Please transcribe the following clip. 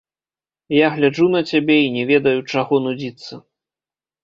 Я гляджу на цябе і не ведаю, чаго нудзіцца.